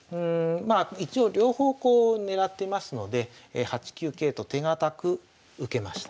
一応両方こう狙ってますので８九桂と手堅く受けました。